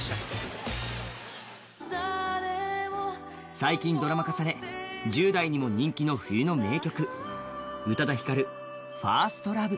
最近ドラマ化され１０代にも人気の冬の名曲、宇多田ヒカル「ＦｉｒｓｔＬｏｖｅ」。